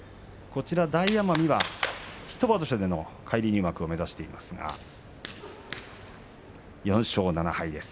大奄美は１場所で返り入幕を目指しましたが４勝７敗です。